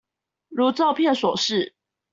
如照片所示